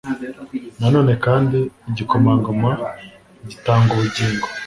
Na none kandi Igikomangoma gitanga ubugingo